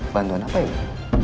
bantuan apa ya